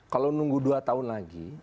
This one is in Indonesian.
kalau nunggu dua tahun lagi